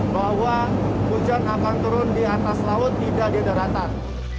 bahwa hujan akan turun di atas laut tidak di daratan